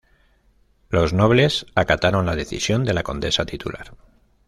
Los nobles acataron la decisión de la condesa titular.